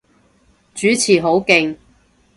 主持好勁